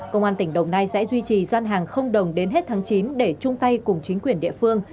công an tỉnh đồng nai sẽ duy trì gian hàng không đồng đến hết tháng chín để chung tay cùng chính quyền địa phương